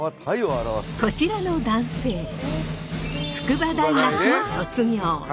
こちらの男性筑波大学を卒業。